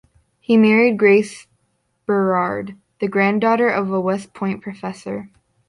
He married Grace Berard, the granddaughter of a West Point professor.